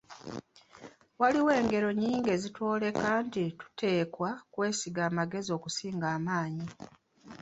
Waliwo engero nnyingi ezitwoleka nti tuteekwa kwesiga magezi okusinga amaanyi.